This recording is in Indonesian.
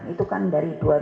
itu kan dari dua ribu tiga